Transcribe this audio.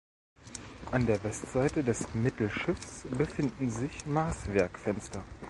An der Westseite des Mittelschiffs befinden sich Maßwerkfenster.